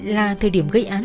là thời điểm gây án